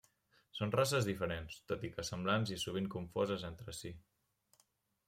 Són races diferents, tot i que semblants i sovint confoses entre si.